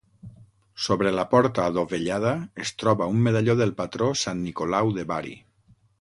Sobre la porta adovellada es troba un medalló del patró Sant Nicolau de Bari.